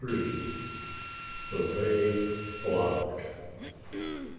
THE WAY BLOCKED.